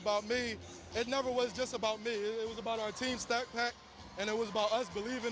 itu tidak hanya tentang saya tapi tentang tim kita dan tentang kita percaya pada satu sama lain